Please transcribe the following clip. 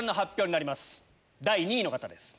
第２位の方です。